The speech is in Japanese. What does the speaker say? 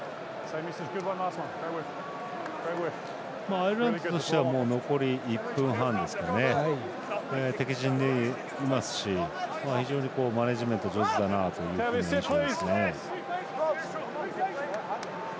アイルランドとしては残り１分半ですから敵陣にいますし非常にマネジメント上手だなという印象ですね。